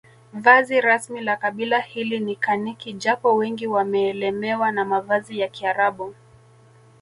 Vazi rasmi la kabila hili ni kaniki japo wengi wameelemewa na mavazi ya kiarabu